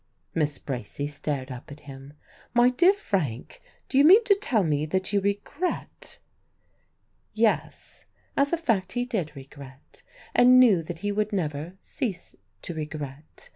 Miss Bracy stared up at him, "My dear Frank, do you mean to tell me that you regret?" Yes; as a fact he did regret, and knew that he would never cease to regret.